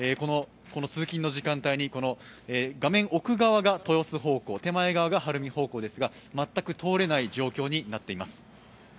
この通勤の時間帯に画面奥側が豊洲方向、手前側が晴海方向ですが全く通れない状況になっています。